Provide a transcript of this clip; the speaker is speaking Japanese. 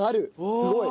すごい！